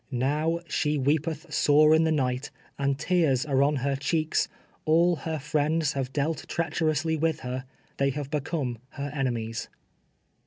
Kow " she weepeth sore in the night, and teal's are on her cheeks : all her friends have dealt treacherously with her : they have become her enemies."